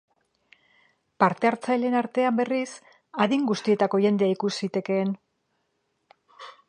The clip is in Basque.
Parte-hartzaileen artean, berriz, adin guztietako jende ikus zitekeen.